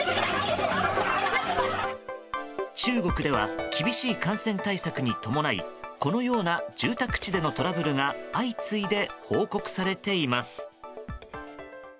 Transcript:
中国では厳しい感染対策に伴いこのような住宅地でのトラブルが相次いで報告されています。